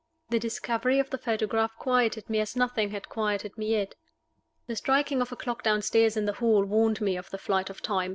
The discovery of the photograph quieted me as nothing had quieted me yet. The striking of a clock downstairs in the hall warned me of the flight of time.